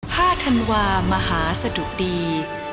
ห้าธันวามหาสดุตรี